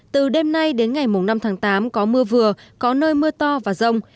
từ đêm nay đến ngày năm tháng tám có mưa vừa có nơi mưa to và rông